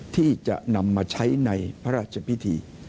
ที่จะนำมาใช้ในพระราชพิธี